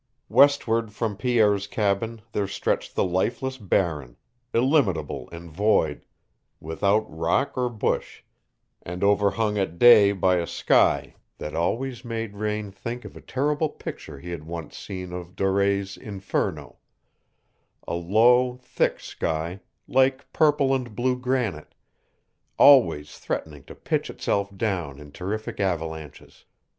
Westward from Pierre's cabin there stretched the lifeless Barren, illimitable and void, without rock or bush, and overhung at day by a sky that always made Raine think of a terrible picture he had once seen of Dore's "Inferno" a low, thick sky, like purple and blue granite, always threatening to pitch itself down in terrific avalanches.